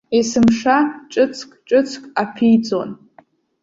Есымша ҿыцк-ҿыцк аԥиҵон.